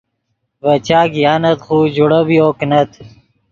ڤے چاک یانت خو جوڑبیو کینت